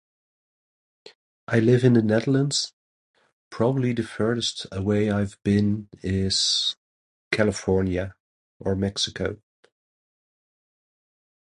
I live in the Netherlands. Probably the first away I've been is California, or Mexico.